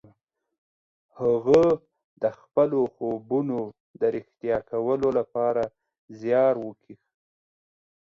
هغه د خپلو خوبونو د رښتيا کولو لپاره زيار وکيښ.